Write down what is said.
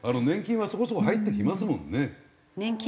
年金はそこそこ入ってきますもんね。